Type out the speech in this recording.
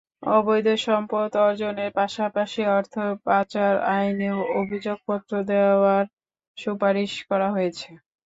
অবৈধ সম্পদ অর্জনের পাশাপাশি অর্থ পাচার আইনেও অভিযোগপত্র দেওয়ার সুপারিশ করা হয়েছে।